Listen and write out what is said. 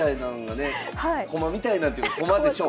駒みたいなというか駒でしょう。